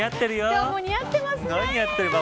今日も似合ってますね。